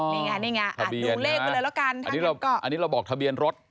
อ๋อนี่ไงนี่ไงดูเลขกันเลยละกันอันนี้เราบอกทะเบียนรถ